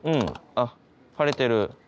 あ腫れてる。